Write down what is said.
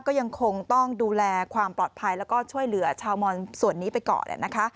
ก็ยังคงต้องดูแลความปลอดภัยแล้วก็ช่วยเหลือชาวมอนส่วนนี้ไปก่อนนะคะ